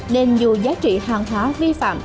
nên dù giá trị hàng hóa vi phạm